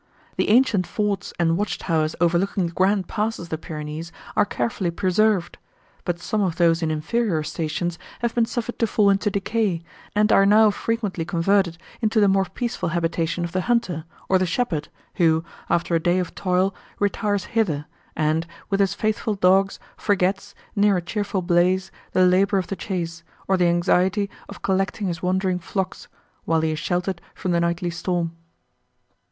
The ancient forts, and watch towers, overlooking the grand passes of the Pyrenees, are carefully preserved; but some of those in inferior stations have been suffered to fall into decay, and are now frequently converted into the more peaceful habitation of the hunter, or the shepherd, who, after a day of toil, retires hither, and, with his faithful dogs, forgets, near a cheerful blaze, the labour of the chace, or the anxiety of collecting his wandering flocks, while he is sheltered from the nightly storm."